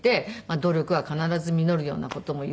努力は必ず実るような事も言っていて。